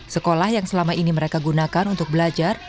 sekolah yang selama ini mereka gunakan untuk belajar